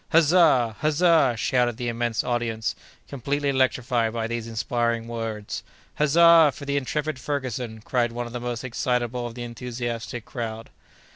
"Huzza! huzza!" shouted the immense audience, completely electrified by these inspiring words. "Huzza for the intrepid Ferguson!" cried one of the most excitable of the enthusiastic crowd.